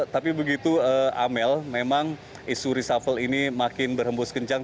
tapi begitu amel memang isu reshuffle ini makin berhembus kencang